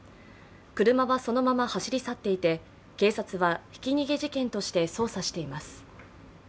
車はそのまま走り去っていて警察は、ひき逃げ事件として捜査しています。